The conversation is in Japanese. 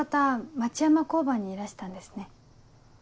町山交番にいらしたんですね。